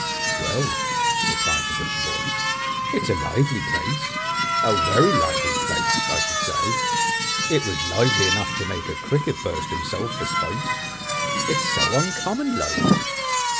"Well," replied the butcher boy; "it's a lively place, a werry lively place. I should say it was lively enough to make a cricket burst himself for spite: it's so uncommon lively."